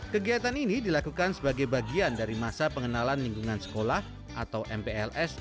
kegiatan ini dilakukan sebagai bagian dari masa pengenalan lingkungan sekolah atau mpls